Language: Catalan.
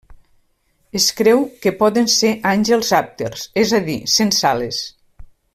Es creu que poden ser àngels àpters, és a dir, sense ales.